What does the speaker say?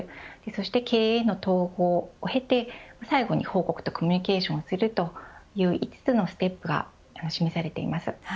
そして経営の統合を経て最後に報告とコミュニケーションをするという５つのステップが示されています。